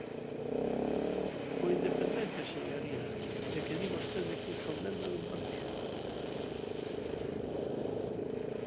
Con independencia, señoría, de que di vostede que eu son membro dun partido.